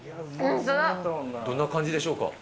どんな感じでしょうか。